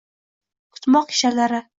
Kutmoq kishanlari